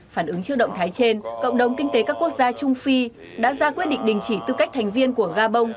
phản ứng trước động thái trên cộng đồng kinh tế các quốc gia trung phi đã ra quyết định đình chỉ tư cách thành viên của gabon